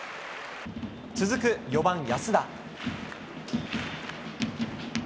続く４番安田。